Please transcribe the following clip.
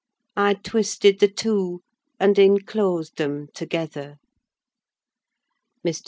I twisted the two, and enclosed them together. Mr.